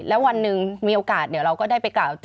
แล้ววันหนึ่งมีโอกาสเดี๋ยวเราก็ได้ไปกล่าว